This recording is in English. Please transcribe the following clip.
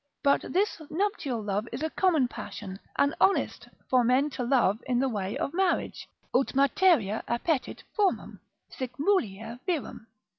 But this nuptial love is a common passion, an honest, for men to love in the way of marriage; ut materia appetit formam, sic mulier virum.